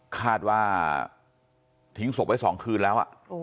คาดว่าทิ้งศพไว้๒คืนแล้ว